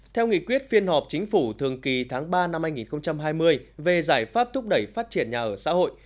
theo nghị quyết phiên họp chính phủ thường kỳ tháng ba năm hai nghìn hai mươi về giải pháp thúc đẩy phát triển nhà ở xã hội